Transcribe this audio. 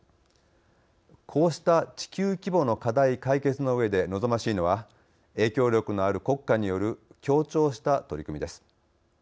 こうした地球規模の課題解決のうえで望ましいのは影響力のある国家による協調した取り組みです。